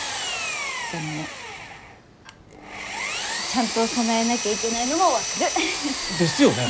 でもちゃんと備えなきゃいけないのも分かる。ですよね？